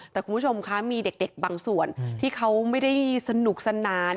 แต่คุณผู้ชมคะมีเด็กบางส่วนที่เขาไม่ได้สนุกสนาน